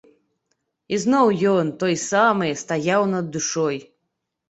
І зноў ён, той самы, стаяў над душой.